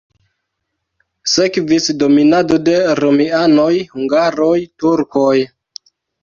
Sekvis dominado de romianoj, hungaroj, turkoj.